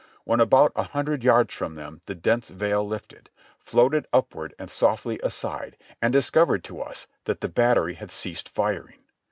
When about a hundred yards from them the dense veil lifted, floated upward and softly aside, and discovered to us that the battery had ceased firing.